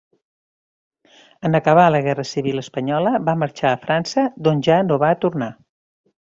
En acabar la guerra civil espanyola va marxar a França, d'on ja no va tornar.